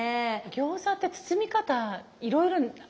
餃子って包み方いろいろあるんですね。